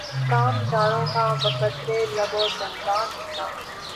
کام یاروں کا بہ قدرٕ لب و دنداں نکلا